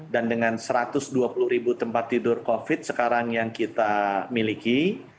dengan satu ratus dua puluh ribu tempat tidur covid sekarang yang kita miliki